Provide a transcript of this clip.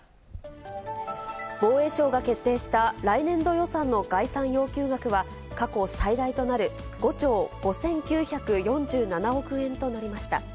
防衛省が決定した来年度予算の概算要求額は、過去最大となる５兆５９４７億円となりました。